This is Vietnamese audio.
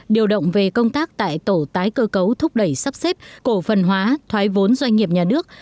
điều động về công tác tại tổ tái cơ cấu thúc đẩy sắp xếp cổ phần hóa thoái vốn doanh nghiệp nhà nước